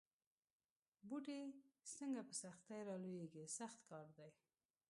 بوټی څنګه په سختۍ را لویېږي سخت کار دی.